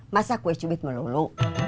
masak kue cubit melulu